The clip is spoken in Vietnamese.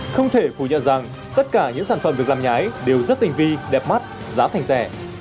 không thể phủ nhận rằng tất cả những sản phẩm được làm nhái đều rất tình vi đẹp mắt giá thành rẻ